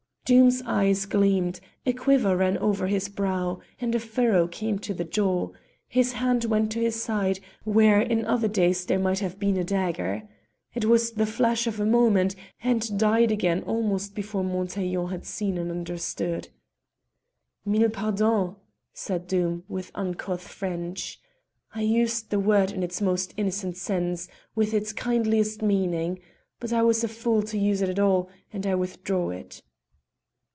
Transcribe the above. Doom's eyes gleamed, a quiver ran over his brow, and a furrow came to the jaw; his hand went to his side, where in other days there might have been a dagger. It was the flash of a moment, and died again almost before Montaiglon had seen and understood. "Mille pardons!" said Doom with uncouth French. "I used the word in its most innocent sense, with its kindliest meaning; but I was a fool to use it at all, and I withdraw it."